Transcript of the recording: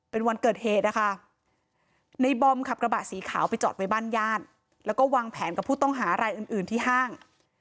เป็นวันเกิดเหตุนะคะในบอมขับกระบะสีขาวไปจอดไว้บ้านญาติแล้วก็วางแผนกับผู้ต้องหารายอื่นที่ห้าง